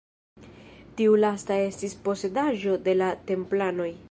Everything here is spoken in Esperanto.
Tiu lasta estis posedaĵo de la Templanoj.